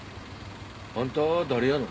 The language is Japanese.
あんた誰やの？